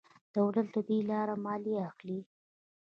دولت له دې لارې مالیه اخلي.